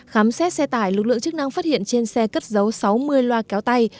khám xét xe tải lực lượng chức năng phát hiện trên xe cất dấu sáu mươi loa kéo tay